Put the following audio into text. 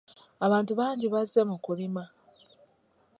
Abantu bangi bazze mu kulima.